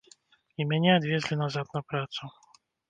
І мяне адвезлі назад на працу.